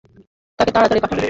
তাকে তাড়াতাড়ি পাঠাবেন।